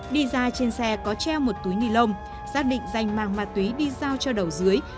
đi ra trên xe có treo một túi ni lông xác định danh mang ma túy đi giao cho đầu dưới